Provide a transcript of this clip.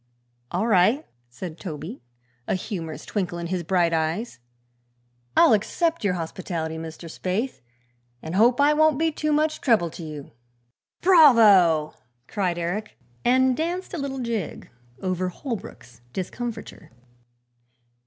"All right," said Toby, a humorous twinkle in his bright eyes; "I'll accept your hospitality, Mr. Spaythe, and hope I won't be too much trouble to you." "Bravo!" cried Eric, and danced a little jig over Holbrook's discomfiture.